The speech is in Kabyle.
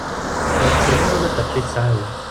Ur ḥsin ara ula d taqcict tesɛa ul.